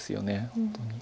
本当に。